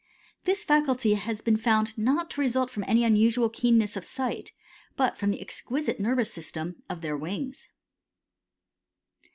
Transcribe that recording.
This faculty has been found not to result from any unusual keenness of sight, but from the exquisite nervous system of their wings.